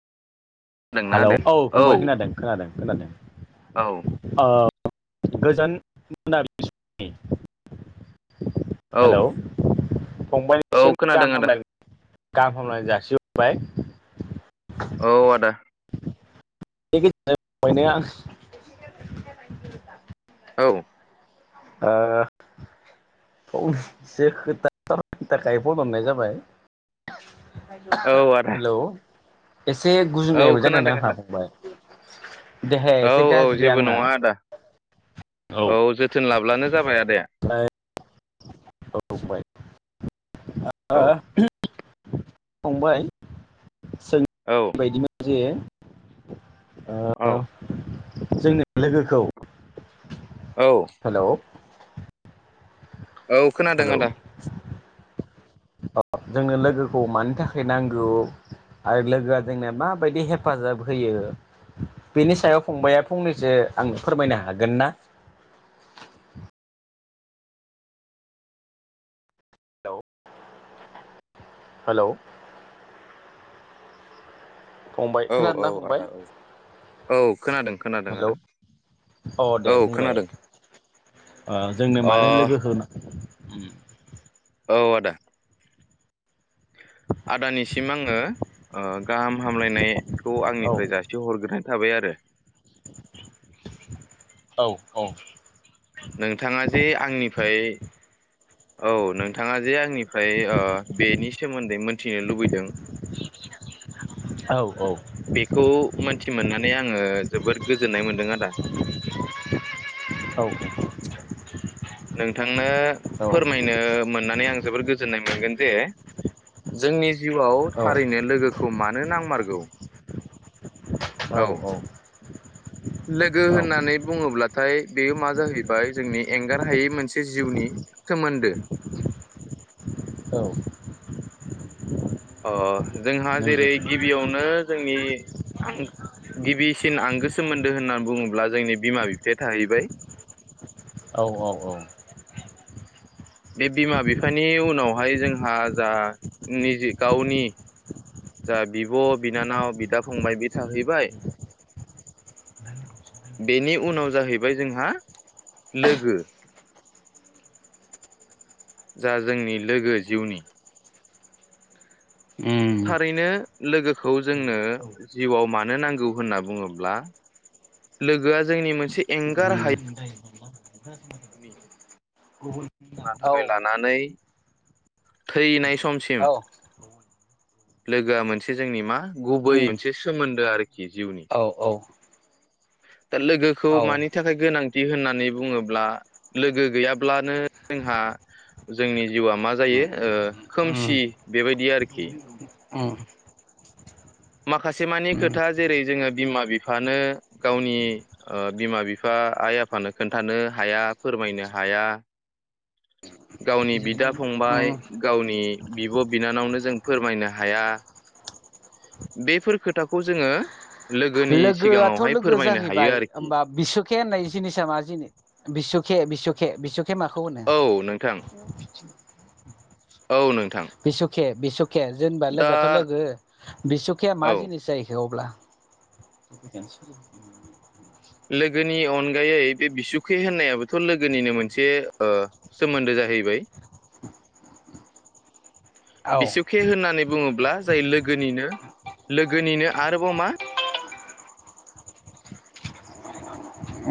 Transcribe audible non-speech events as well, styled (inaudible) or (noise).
खोनादोंना हेलौ आदाया औ फंबाय खोनादों खोनादों खोनादों औ ओ गोजोन (unintelligible) औ हेलौ फंबाइ औ निसिम खोनादों गाहाम आदा हामलाय गाहाम हामलायनाय जासिहरबाय औ औ आदा (unintelligible) औ ओ फंसे खोथानि थाखाय फन हरनाय जाबाय। औ आदा हेलौ एसे औ गुजुनायबो जादोंना खोनादों आंहा आदा फंबाइ। देहाया औ एसे औ गाज्रि जेबो आंना। नङा आदा औ जोथोन लाब्लानो जाबाय आदाया। औ फंबाय। औ (unintelligible) फंबाइ सों औ बायदिमोन जे (inaudible) ओ औ (unintelligible) जोंनि लोगोखौ औ हेलौ औ खोनादों आदा। अ' जोंनो लोगोखौ मानि थाखाय नांगौ। आरो लोगोआ जोंनो माबायदि हेफाजाब होयो बेनि सायाव फंबाया फंनैसो आंनो फोरमायनो हागोन ना? (unintelligible) हेलौ फंबाय औ औ खोनादोंना फंबाय आदा औ औ खोनादों खोनादों हेलौ आदा अ' औ दे बुंलाय खोनादों ओ जोंनो अ मानो लोगोखौ उम औ आदा। आदानिसिम आङो ओ गाहाम हामलायनायखौ औ आंनिफ्राय जासि हरग्रोनाय थाबाय आरो। औ औ नोंथाङा जे आंनिफाय औ नोंथाङा जे आंनिफ्राय ओ बेनि सोमोन्दै मोनथिनो लुबैदों। औ औ बेखौ मोनथि मोननानै आङो जोबोद गोजोननाय मोन (unintelligible) औ (inaudible) नोंथांनो औ फोरमायनो मोननानै आं जोबोर गोजोननाय मोनगोन जे जोंनि जिउवाव थारैनो लोगोखौ मा नो नांमार गौ औ औ। लोगो औ होननानै बुङोब्लाथाय बेयो मा जाहैबाय जोंनि एंगार हायै मोनसे जिउनि सोमोनदो। अ। जोंहा जेरै नंगौ गिबियावनो जोंनि (unintelligible) गिबिसिन आंगो सोमोनदो होनना बुङोब्ला जोंनि बिमा बिफाया थाहैबाय। औ औ औ। बे बिमा बिफानि उनावहाय जोंहा जा निजे गावनि जा बिब बिनानाव बिदा फंबाय बे थाहैबाय बेनि उनाव जाहैबाय जोंहा लोगो जा जोंनि लोगो जिउनि उम थारैनो लोगोखौ जोंनो जिउवाव मानो नांगौ होनना बुङोब्ला लोगोआ जोंनि मोनसे एंगार उम हायि (inaudible) औ नाथाय लानानै थैनाय समसिम औ लोगोआ मोनसे जोंनि मा गुबै उम मोनसे सोमोनदो आरोखि जिउनि। औ औ दा लोगोखौ औ मानि थाखाय गोनां थि होननानै बुङोब्ला लोगो गैयाब्लानो जोंहा जोंनि जिउआ मा उम जायो ओ खोमसि उम बेबायदि आरोखि। माखासेमानि उम खोथा जेरै जोङो बिमा बिफानो गावनि ओ बिमा बिफा आइ आफानो खोन्थानो हाया फोरमायनो हाया। गावनि बिदा फंबाय उम गावनि बिब बिनानावनो जों फोरमायनो हाया बेफोर खोथाखौ जोङो लोगोनि लोगोआथ सिगाङावहाय लोगो फोरमायनो हायो जाहैबाय आरोखि होमबा बिसुके होननाय जिनिसा मा जिनि बिसुके बिसुके बिसखे खे माखौ होनो? औ नोंथां औ नों बिसुखे बिस खे जेनबा लोगोथ लोगो बिसुखिया मा औ जिनिस जाहैखो अब्ला? (inaudible) लोगोनि अनगायै बे बिसुखै होननायाबोथ लोगोनिनो मोनसे ओ सोमोन्दो जाहैबाय। औ बिसुके होननानै बुङोब्ला जायो लोगोनिनो लोगोनिनो आरोबाव मा?